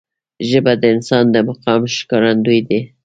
ژبه د انسان د مقام ښکارندوی ده